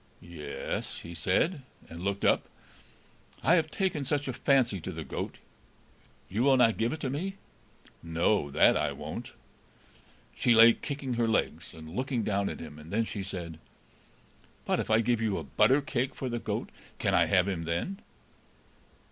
"Ye es," he said, and looked up. "I have taken such a fancy to the goat. You will not give it to me?" "No, that I won't." She lay kicking her legs, and looking down at him, and then she said, "But if I give you a butter cake for the goat, can I have him then?"